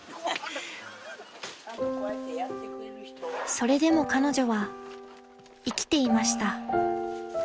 ［それでも彼女は生きていました］